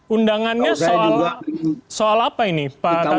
undangannya soal apa ini pak tasli